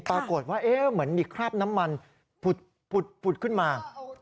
ปรากฏว่าเหมือนมีคราบน้ำมันผุดขึ้นมา